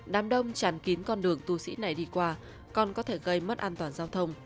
đám đông tràn kín con đường tu sĩ này đi qua còn có thể gây mất an toàn giao thông